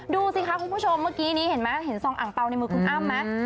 ดูสิคะคุณผู้ชมเมื่อกี้นี้เห็นไหมเห็นซองอ่างเปล่าในมือคุณอ้ำไหม